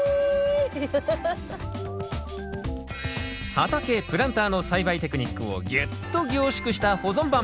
畑プランターの栽培テクニックをぎゅっと凝縮した保存版。